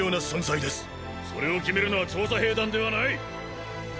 それを決めるのは調査兵団ではない！